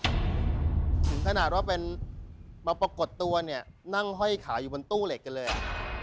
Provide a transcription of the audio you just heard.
ถึงขนาดว่าเป็นมาปรากฏตัวเนี่ยนั่งห้อยขาอยู่บนตู้เหล็กกันเลยอ่ะ